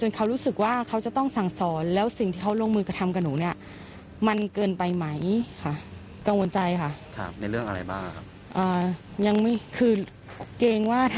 หรือว่าอาจจะถูกคมคูอีกได้ค่ะ